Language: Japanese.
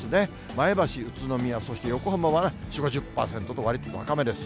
前橋、宇都宮、そして横浜もね、４、５０％と、わりと高めです。